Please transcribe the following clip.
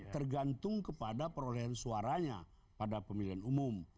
tergantung kepada perolehan suaranya pada pemilihan umum